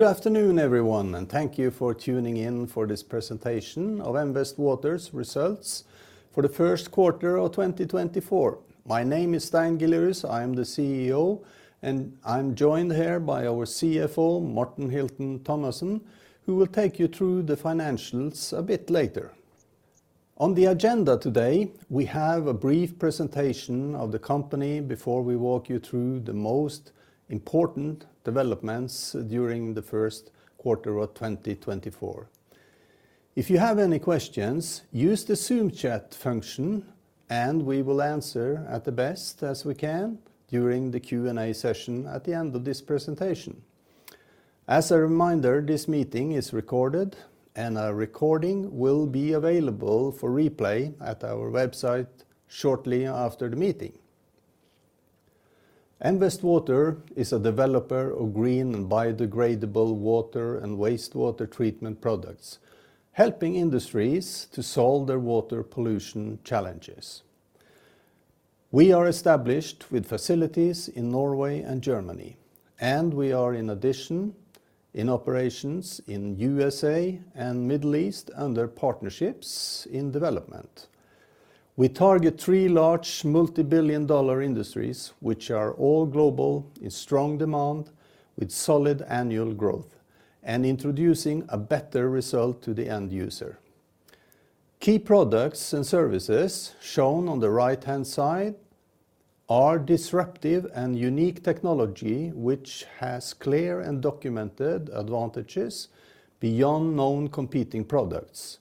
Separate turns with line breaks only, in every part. Good afternoon, everyone, and thank you for tuning in for this presentation of M Vest Water's results for the first quarter of 2024. My name is Stein Giljarhus. I am the CEO, and I'm joined here by our CFO, Morten Hilton Thomassen, who will take you through the financials a bit later. On the agenda today, we have a brief presentation of the company before we walk you through the most important developments during the first quarter of 2024. If you have any questions, use the Zoom chat function, and we will answer at the best as we can during the Q&A session at the end of this presentation. As a reminder, this meeting is recorded, and a recording will be available for replay at our website shortly after the meeting. Vest Water is a developer of green and biodegradable water and wastewater treatment products, helping industries to solve their water pollution challenges. We are established with facilities in Norway and Germany, and we are in addition in operations in U.S.A and Middle East under partnerships in development. We target three large multibillion-dollar industries, which are all global, in strong demand, with solid annual growth and introducing a better result to the end user. Key products and services shown on the right-hand side are disruptive and unique technology, which has clear and documented advantages beyond known competing products.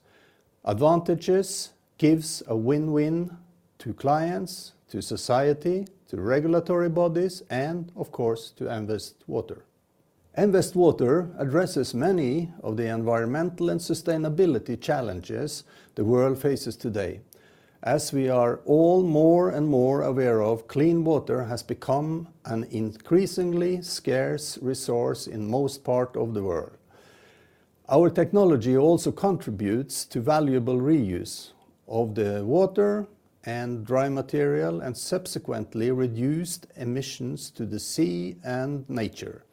Advantages gives a win-win to clients, to society, to regulatory bodies, and of course, to M Vest Water. M Vest Water addresses many of the environmental and sustainability challenges the world faces today. As we are all more and more aware of, clean water has become an increasingly scarce resource in most part of the world. Our technology also contributes to valuable reuse of the water and dry material and subsequently reduced emissions to the sea and nature.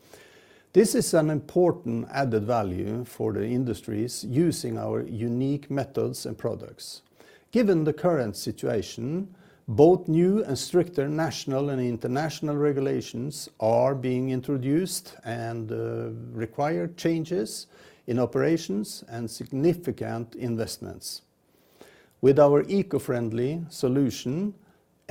This is an important added value for the industries using our unique methods and products. Given the current situation, both new and stricter national and international regulations are being introduced and require changes in operations and significant investments. With our eco-friendly solution,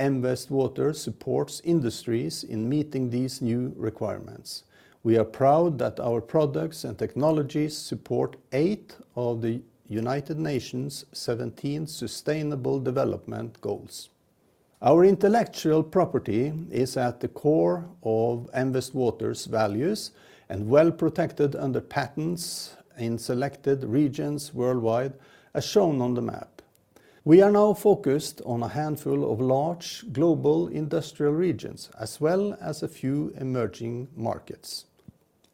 M Vest Water supports industries in meeting these new requirements. We are proud that our products and technologies support eight of the United Nations' seventeen Sustainable Development Goals. Our intellectual property is at the core of M Vest Water's values and well-protected under patents in selected regions worldwide, as shown on the map. We are now focused on a handful of large global industrial regions, as well as a few emerging markets.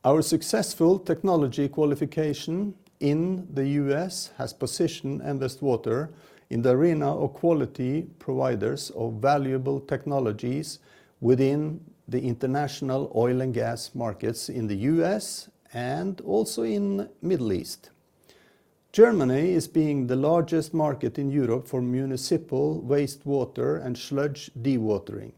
Our successful technology qualification in the U.S. has positioned M Vest Water in the arena of quality providers of valuable technologies within the international oil and gas markets in the U.S. and also in Middle East. Germany is being the largest market in Europe for municipal wastewater and sludge dewatering.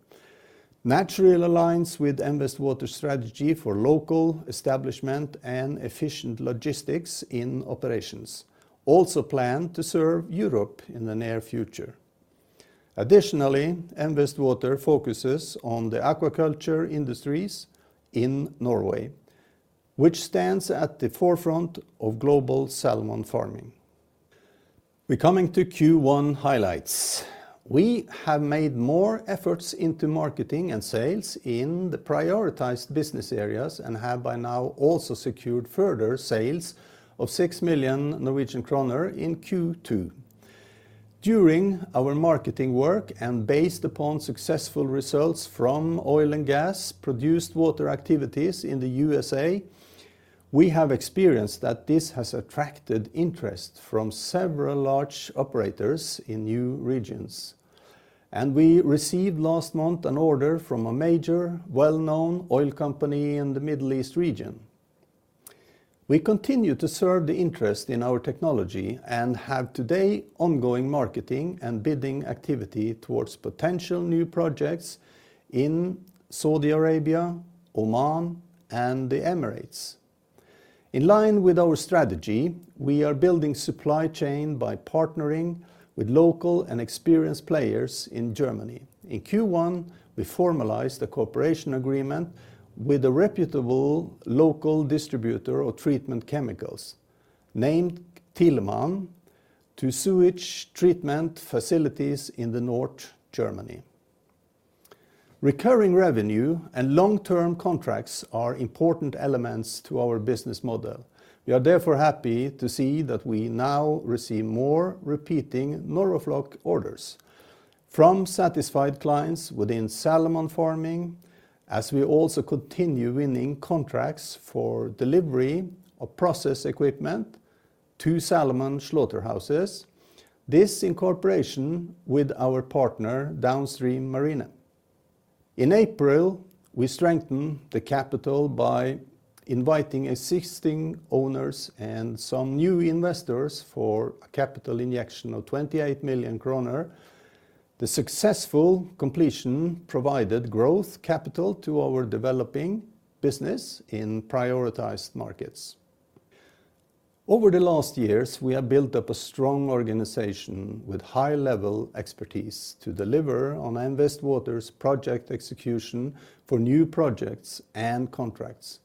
Natural alliance with M Vest Water strategy for local establishment and efficient logistics in operations, also plan to serve Europe in the near future. Additionally, M Vest Water focuses on the aquaculture industries in Norway, which stands at the forefront of global salmon farming. We're coming to Q1 highlights. We have made more efforts into marketing and sales in the prioritized business areas and have by now also secured further sales of 6 million Norwegian kroner in Q2. During our marketing work and based upon successful results from oil and gas produced water activities in the U.S.A, we have experienced that this has attracted interest from several large operators in new regions, and we received last month an order from a major well-known oil company in the Middle East region. We continue to serve the interest in our technology and have today ongoing marketing and bidding activity towards potential new projects in Saudi Arabia, Oman, and the Emirates. In line with our strategy, we are building supply chain by partnering with local and experienced players in Germany. In Q1, we formalized a cooperation agreement with a reputable local distributor of treatment chemicals, named Thielemann, to sewage treatment facilities in Northern Germany. Recurring revenue and long-term contracts are important elements to our business model. We are therefore happy to see that we now receive more repeating NorwaFloc orders from satisfied clients within salmon farming, as we also continue winning contracts for delivery of process equipment to salmon slaughterhouses. This in cooperation with our partner, Downstream Marine. In April, we strengthened the capital by inviting existing owners and some new investors for a capital injection of 28 million kroner. The successful completion provided growth capital to our developing business in prioritized markets. Over the last years, we have built up a strong organization with high-level expertise to deliver on M Vest Water's project execution for new projects and contracts.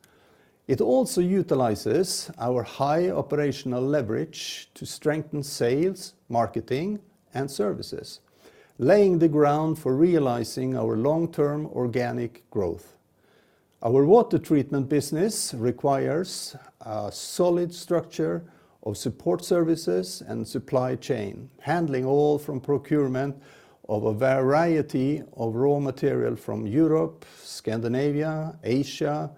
It also utilizes our high operational leverage to strengthen sales, marketing, and services, laying the ground for realizing our long-term organic growth. Our water treatment business requires a solid structure of support services and supply chain, handling all from procurement of a variety of raw material from Europe, Scandinavia, Asia,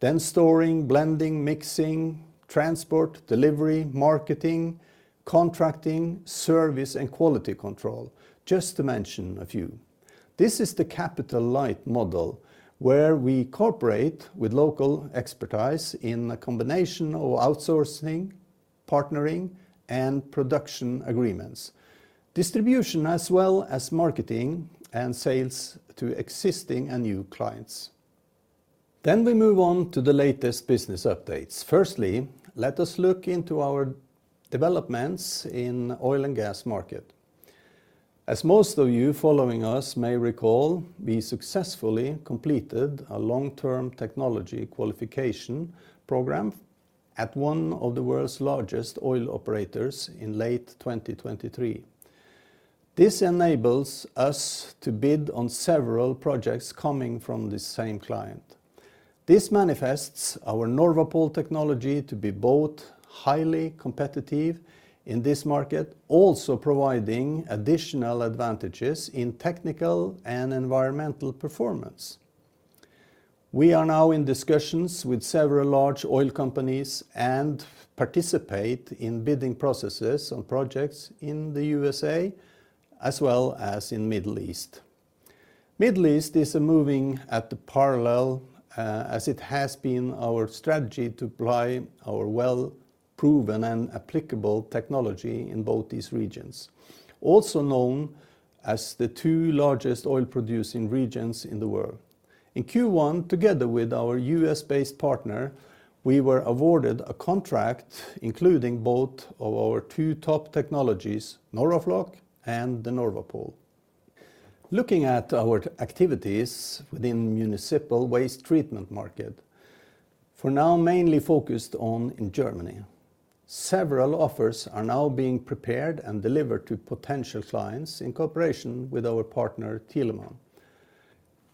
then storing, blending, mixing, transport, delivery, marketing, contracting, service, and quality control, just to mention a few. This is the capital light model, where we cooperate with local expertise in a combination of outsourcing, partnering, and production agreements, distribution, as well as marketing and sales to existing and new clients. Then we move on to the latest business updates. Firstly, let us look into our developments in oil and gas market. As most of you following us may recall, we successfully completed a long-term technology qualification program at one of the world's largest oil operators in late 2023. This enables us to bid on several projects coming from the same client. This manifests our NorwaPol technology to be both highly competitive in this market, also providing additional advantages in technical and environmental performance. We are now in discussions with several large oil companies and participate in bidding processes on projects in the U.S.A, as well as in Middle East. Middle East is moving in parallel, as it has been our strategy to apply our well-proven and applicable technology in both these regions, also known as the two largest oil-producing regions in the world. In Q1, together with our US-based partner, we were awarded a contract, including both of our two top technologies, NorwaFloc and the NorwaPol. Looking at our activities within municipal waste treatment market, for now, mainly focused on in Germany. Several offers are now being prepared and delivered to potential clients in cooperation with our partner, Thielemann.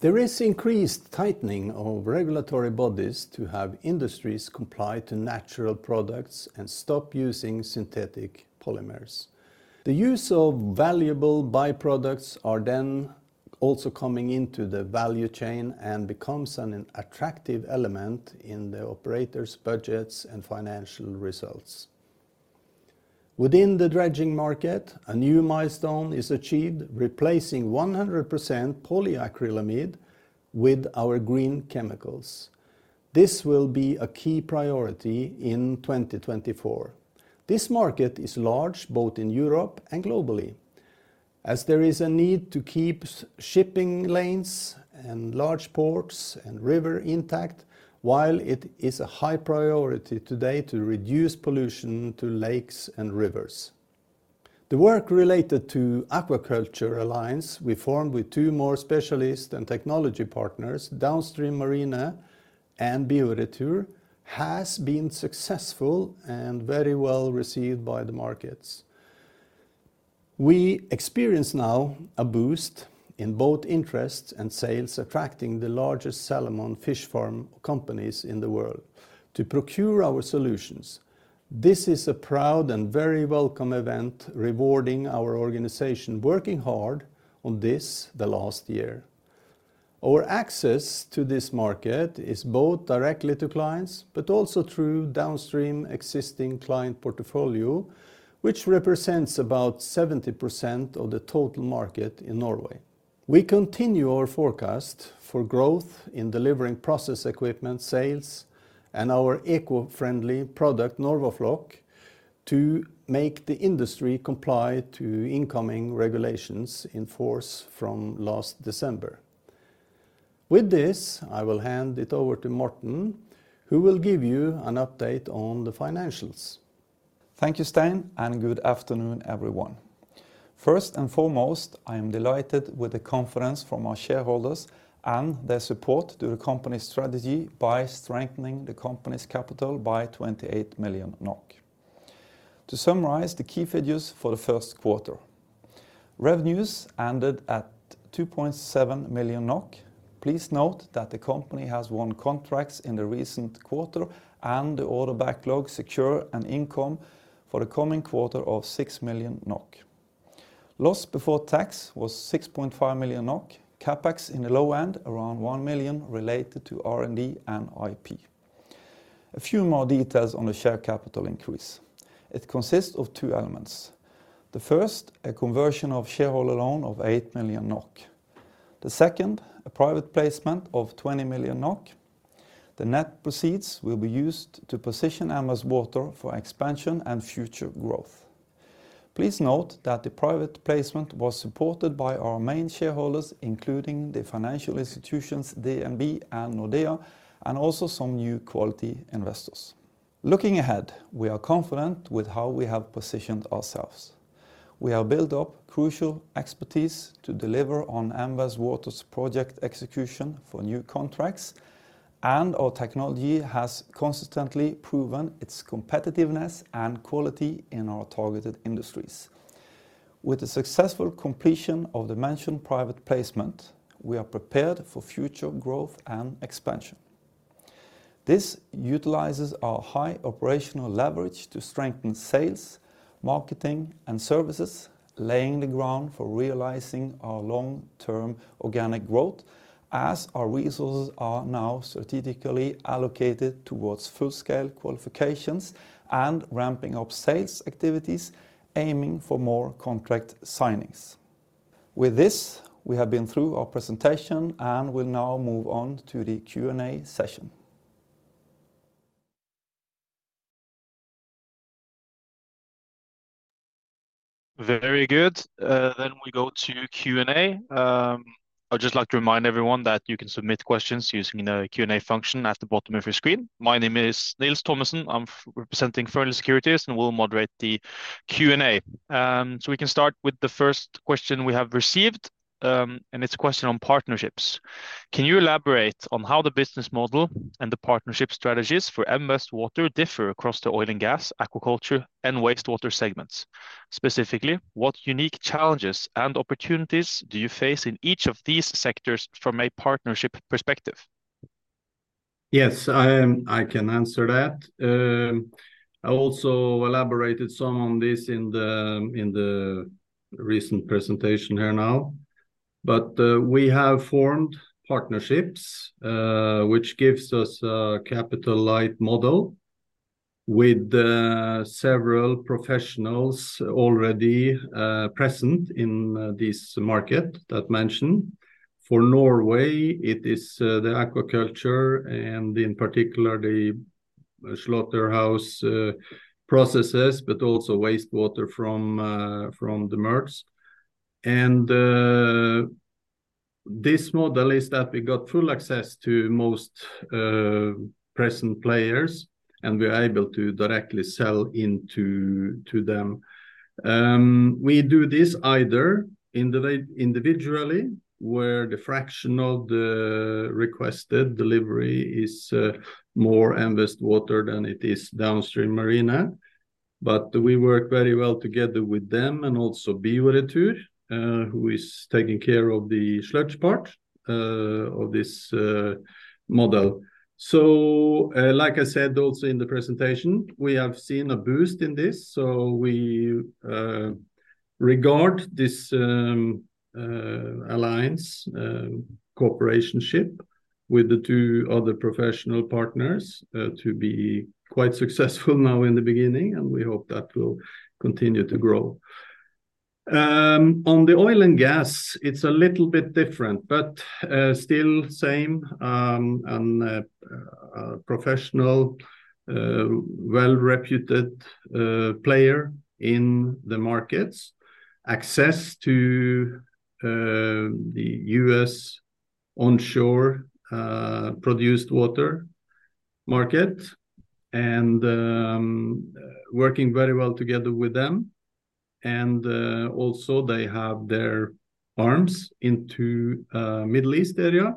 There is increased tightening of regulatory bodies to have industries comply to natural products and stop using synthetic polymers. The use of valuable byproducts are then also coming into the value chain and becomes an attractive element in the operators' budgets and financial results. Within the dredging market, a new milestone is achieved, replacing 100% polyacrylamide with our green chemicals. This will be a key priority in 2024. This market is large, both in Europe and globally, as there is a need to keep shipping lanes and large ports and river intact, while it is a high priority today to reduce pollution to lakes and rivers. The work related to aquaculture alliance we formed with two more specialist and technology partners, Downstream Marine and Bioretur, has been successful and very well received by the markets. We experience now a boost in both interest and sales, attracting the largest salmon fish farm companies in the world to procure our solutions. This is a proud and very welcome event, rewarding our organization, working hard on this the last year. Our access to this market is both directly to clients, but also through Downstream existing client portfolio, which represents about 70% of the total market in Norway. We continue our forecast for growth in delivering process equipment sales and our eco-friendly product, NorwaFloc, to make the industry comply to incoming regulations in force from last December. With this, I will hand it over to Morten, who will give you an update on the financials.
Thank you, Stein, and good afternoon, everyone. First and foremost, I am delighted with the confidence from our shareholders and their support to the company's strategy by strengthening the company's capital by 28 million NOK. To summarize the key figures for the first quarter, revenues ended at 2.7 million NOK. Please note that the company has won contracts in the recent quarter and the order backlog, secure and income for the coming quarter of 6 million NOK. Loss before tax was 6.5 million NOK. CapEx in the low end, around 1 million, related to R&D and IP. A few more details on the share capital increase. It consists of two elements. The first, a conversion of shareholder loan of 8 million NOK. The second, a private placement of 20 million NOK. The net proceeds will be used to position M Vest Water for expansion and future growth. Please note that the private placement was supported by our main shareholders, including the financial institutions, DNB and Nordea, and also some new quality investors. Looking ahead, we are confident with how we have positioned ourselves. We have built up crucial expertise to deliver on M Vest Water's project execution for new contracts, and our technology has consistently proven its competitiveness and quality in our targeted industries. With the successful completion of the mentioned private placement, we are prepared for future growth and expansion. This utilizes our high operational leverage to strengthen sales, marketing, and services, laying the ground for realizing our long-term organic growth as our resources are now strategically allocated towards full-scale qualifications and ramping up sales activities, aiming for more contract signings. With this, we have been through our presentation, and we'll now move on to the Q&A session.
Very good. Then we go to Q&A. I'd just like to remind everyone that you can submit questions using the Q&A function at the bottom of your screen. My name is Nils Thommesen. I'm representing Fearnley Securities, and will moderate the Q&A. So we can start with the first question we have received, and it's a question on partnerships. Can you elaborate on how the business model and the partnership strategies for M Vest Water differ across the oil and gas, aquaculture, and wastewater segments? Specifically, what unique challenges and opportunities do you face in each of these sectors from a partnership perspective?
Yes, I, I can answer that. I also elaborated some on this in the recent presentation here now. But we have formed partnerships, which gives us a capital light model with several professionals already present in this market that mentioned. For Norway, it is the aquaculture and in particular, the slaughterhouse processes, but also wastewater from the MUrCS. And this model is that we got full access to most present players, and we're able to directly sell into to them. We do this either individually, where the fraction of the requested delivery is more M Vest Water than it is Downstream Marine. But we work very well together with them and also Bioretur, who is taking care of the sludge part of this model. So, like I said, also in the presentation, we have seen a boost in this, so we regard this alliance cooperation ship with the two other professional partners to be quite successful now in the beginning, and we hope that will continue to grow. On the oil and gas, it's a little bit different, but still same, and a professional, well-reputed player in the markets. Access to the U.S. onshore produced water market and working very well together with them. Also they have their arms into Middle East area,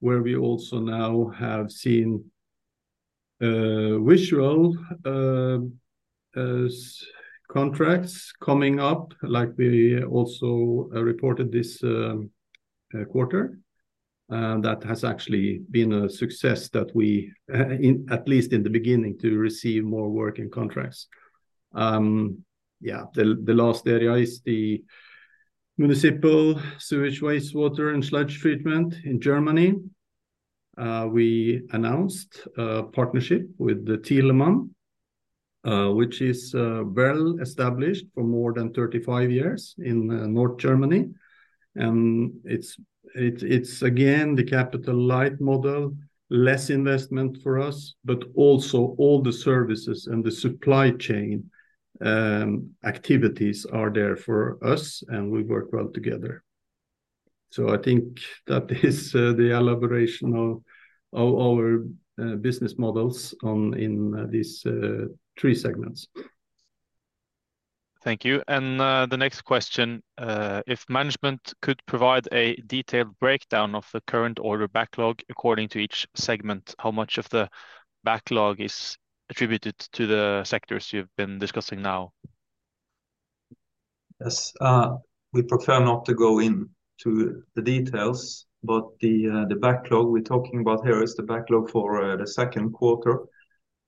where we also now have seen several contracts coming up, like we also reported this quarter. That has actually been a success that we, in, at least in the beginning, to receive more work and contracts. Yeah, the last area is the municipal sewage, wastewater, and sludge treatment in Germany. We announced a partnership with the Thielemann, which is, well established for more than 35 years in, North Germany. And it's, again, the capital light model, less investment for us, but also all the services and the supply chain, activities are there for us, and we work well together. So I think that is, the elaboration of our, business models on, in, these, three segments.
Thank you. The next question, if management could provide a detailed breakdown of the current order backlog according to each segment, how much of the backlog is attributed to the sectors you've been discussing now?
Yes, we prefer not to go into the details, but the backlog we're talking about here is the backlog for the second quarter,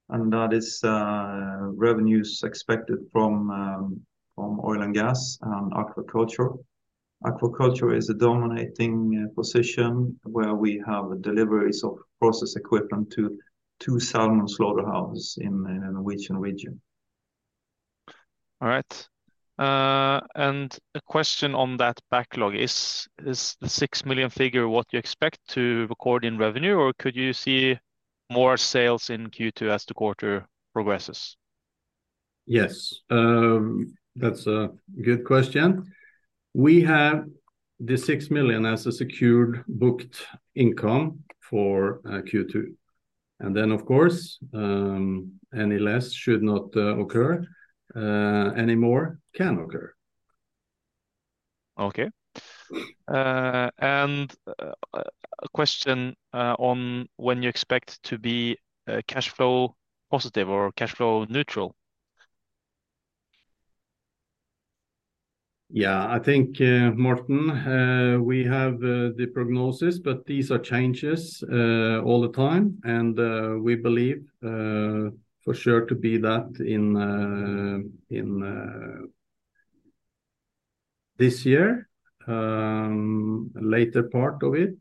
and that is revenues expected from oil and gas and aquaculture. Aquaculture is a dominating position where we have deliveries of process equipment to salmon slaughterhouses in the Norwegian region.
All right. And a question on that backlog. Is the 6 million figure what you expect to record in revenue, or could you see more sales in Q2 as the quarter progresses?
Yes. That's a good question. We have the 6 million as a secured booked income for Q2, and then, of course, any less should not occur, any more can occur.
Okay. And a question on when you expect to be cash flow positive or cash flow neutral?
Yeah, I think, Morten, we have the prognosis, but these are changes all the time, and we believe for sure to be that in this year. Later part of it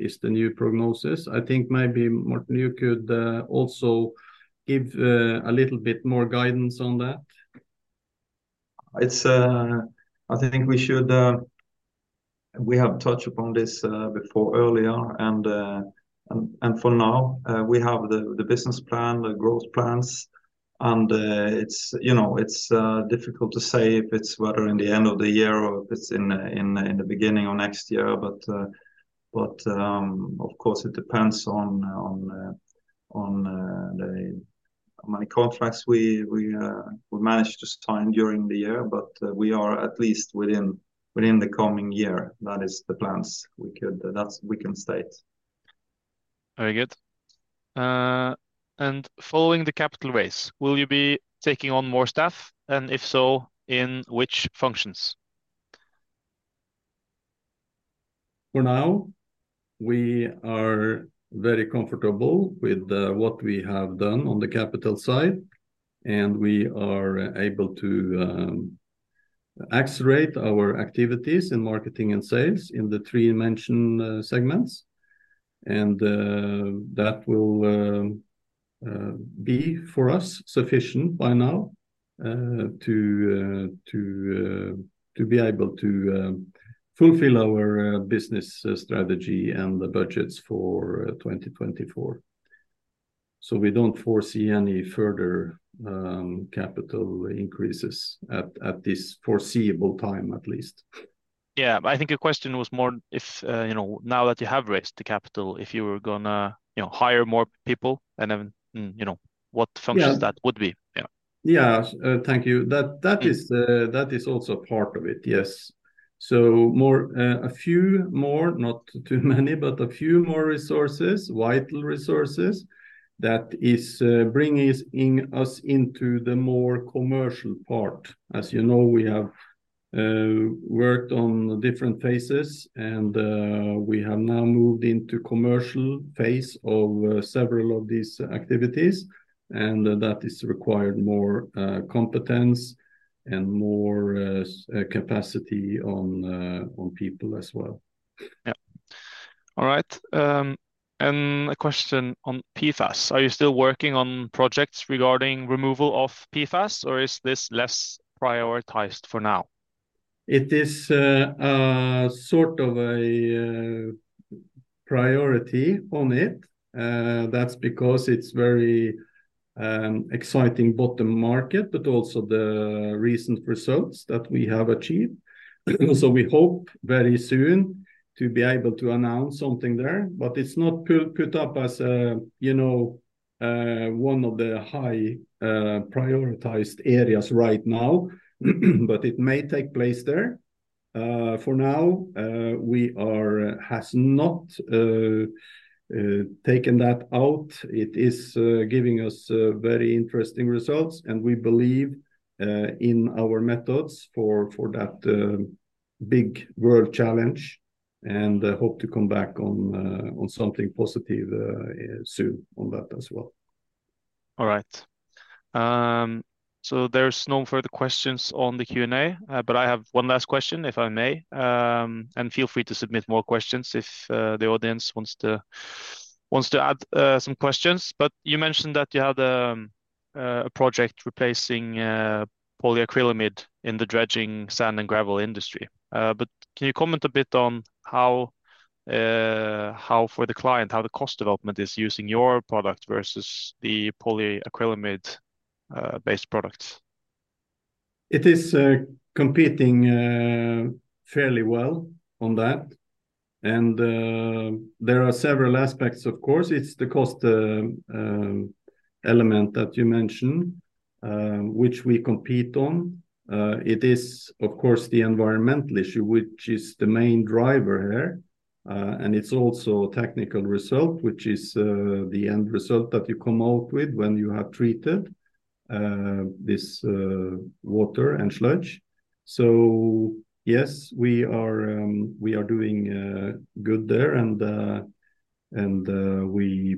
is the new prognosis. I think maybe, Morten, you could also give a little bit more guidance on that.
It's... I think we should, we have touched upon this, before earlier, and, and for now, we have the business plan, the growth plans, and, it's, you know, it's, difficult to say if it's whether in the end of the year or if it's in the beginning of next year. But, but, of course, it depends on, on the how many contracts we, we manage to sign during the year, but, we are at least within the coming year. That is the plans we could... That's we can state.
Very good.
Following the capital raise, will you be taking on more staff, and if so, in which functions?
For now, we are very comfortable with what we have done on the capital side, and we are able to accelerate our activities in marketing and sales in the three mentioned segments, and that will be, for us, sufficient by now to be able to fulfill our business strategy and the budgets for 2024. So we don't foresee any further capital increases at this foreseeable time, at least.
Yeah. I think the question was more if, you know, now that you have raised the capital, if you were gonna, you know, hire more people and then, you know, what functions-
Yeah...
that would be? Yeah.
Yeah. Thank you. That, that is, that is also part of it. Yes. So more, a few more, not too many, but a few more resources, vital resources, that is, bringing us in, us into the more commercial part. As you know, we have worked on different phases, and we have now moved into commercial phase of several of these activities, and that is required more competence and more capacity on, on people as well.
Yeah. All right, and a question on PFAS. Are you still working on projects regarding removal of PFAS, or is this less prioritized for now?
It is a sort of a priority on it. That's because it's very exciting, both the market, but also the recent results that we have achieved. So we hope very soon to be able to announce something there, but it's not put up as a, you know, one of the high prioritized areas right now, but it may take place there. For now, we are... has not taken that out. It is giving us very interesting results, and we believe in our methods for that big world challenge, and I hope to come back on something positive soon on that as well.
All right. So there's no further questions on the Q&A, but I have one last question, if I may. And feel free to submit more questions if the audience wants to add some questions. But you mentioned that you had a project replacing polyacrylamide in the dredging sand and gravel industry. But can you comment a bit on how, for the client, the cost development is using your product versus the polyacrylamide based products?
It is competing fairly well on that, and there are several aspects of course. It's the cost element that you mentioned, which we compete on. It is, of course, the environmental issue, which is the main driver here, and it's also a technical result, which is the end result that you come out with when you have treated this water and sludge. So yes, we are doing good there, and we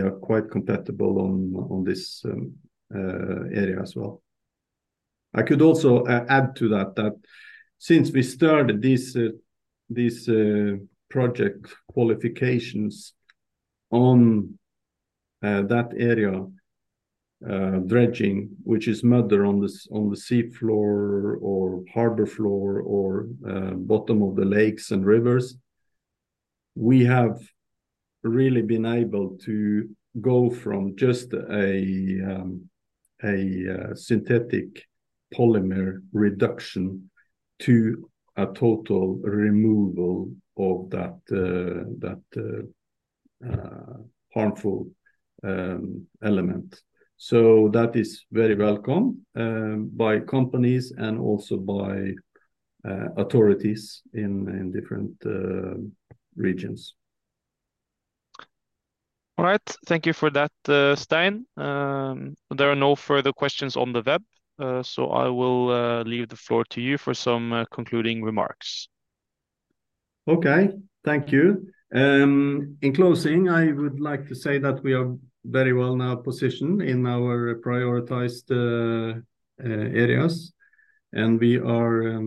are quite compatible on this area as well. I could also add to that, that since we started this project qualifications on that area, dredging, which is mud on the sea floor or harbor floor, or bottom of the lakes and rivers, we have really been able to go from just a synthetic polymer reduction to a total removal of that harmful element. So that is very welcome by companies and also by authorities in different regions.
All right. Thank you for that, Stein. There are no further questions on the web, so I will leave the floor to you for some concluding remarks.
Okay, thank you. In closing, I would like to say that we are very well now positioned in our prioritized areas, and we are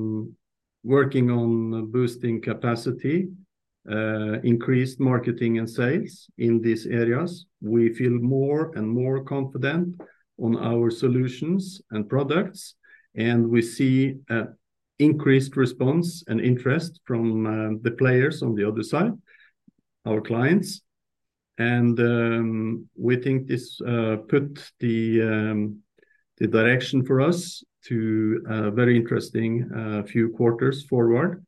working on boosting capacity, increased marketing and sales in these areas. We feel more and more confident on our solutions and products, and we see a increased response and interest from the players on the other side, our clients. And we think this put the direction for us to a very interesting few quarters forward,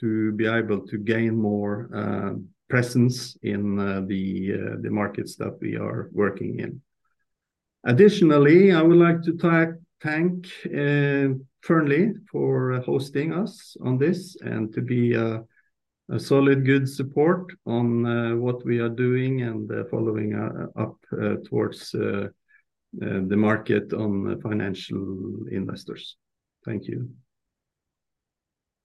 to be able to gain more presence in the markets that we are working in. Additionally, I would like to thank Fearnley for hosting us on this and to be a solid, good support on what we are doing and following up towards the market on financial investors. Thank you.